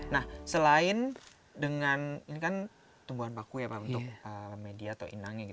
nah selain dengan ini kan tumbuhan baku ya pak untuk media atau inangnya